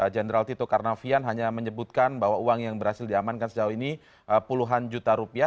jenderal tito karnavian hanya menyebutkan bahwa uang yang berhasil diamankan sejauh ini puluhan juta rupiah